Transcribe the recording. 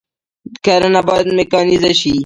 کرنه باید میکانیزه شي